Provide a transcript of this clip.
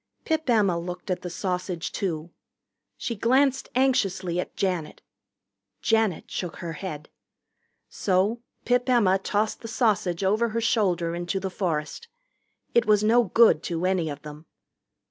Pip Emma looked at the sausage, too. She glanced anxiously at Janet. Janet shook her head. So Pip Emma tossed the sausage over her shoulder into the forest. It was no good to any of them.